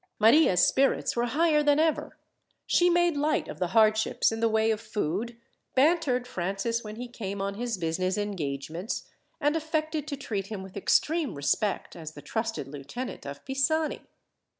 Maria's spirits were higher than ever. She made light of the hardships in the way of food, bantered Francis when he came on his business engagements, and affected to treat him with extreme respect, as the trusted lieutenant of Pisani.